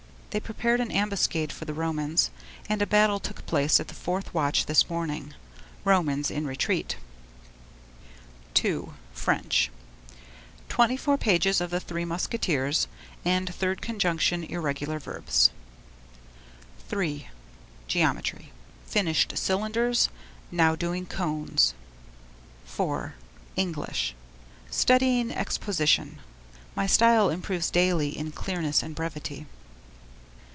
They prepared an ambuscade for the Romans, and a battle took place at the fourth watch this morning. Romans in retreat. II. French: 24 pages of the Three Musketeers and third conjugation, irregular verbs. III. Geometry: Finished cylinders; now doing cones. IV. English: Studying exposition. My style improves daily in clearness and brevity.